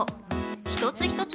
一つ一つ